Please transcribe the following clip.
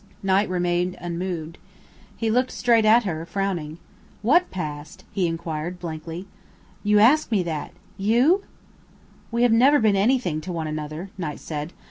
Knight remained unmoved. He looked straight at her, frowning. "What past?" he inquired, blankly. "You ask me that you?" "We have never been anything to one another," Knight said.